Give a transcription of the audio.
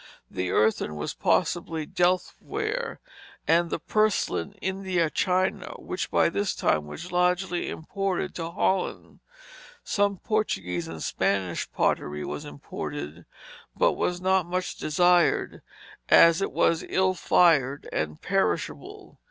The earthen was possibly Delft ware, and the "Purslin" India china, which by that time was largely imported to Holland. Some Portuguese and Spanish pottery was imported, but was not much desired, as it was ill fired and perishable.